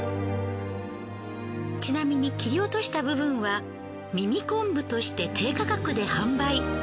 ちなみに切り落とした部分は耳昆布として低価格で販売。